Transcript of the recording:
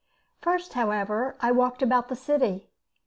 First, however, I walked about the city.